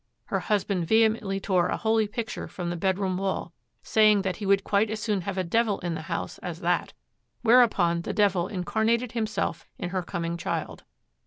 Her husband vehemently tore a holy picture from the bedroom wall, saying that he would quite as soon have a devil in the house as that; whereupon the devil incarnated himself in her coming child.